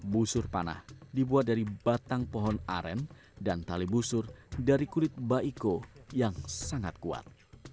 busur panah dibuat dari batang pohon aren dan tali busur dari kulit baiko yang sangat kuat